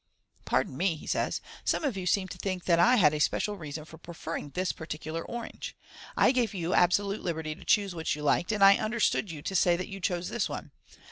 " Pardon me," he says, " some of you seem to think that I had a special reason for preferring this particular orange. I gave you absolute liberty to choose which you liked, and I understood you to say that you chose this one.